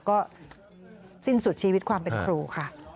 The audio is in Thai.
ก็สิ้นสุดชีวิตความเป็นครูค่ะ